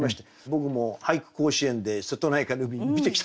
僕も俳句甲子園で瀬戸内海の海見てきたんですよ。